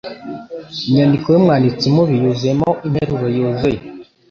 Inyandiko yumwanditsi mubi yuzuyemo interuro yuzuye